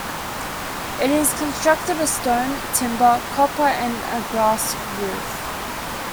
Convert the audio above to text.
It is constructed of stone, timber, copper, and a grass roof.